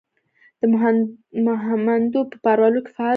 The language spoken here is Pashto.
د مهمندو په پارولو کې فعال دی.